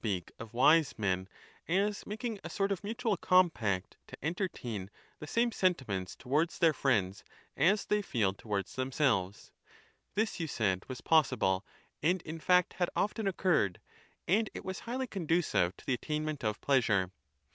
xxvi wise men as making a sort of mutual compact to entertain the same sentiments towards their friends as they feel towards themselves ; this {you said) was possible, and in fact had often occurred ; and it was highly conducive to the attainment of pleasure.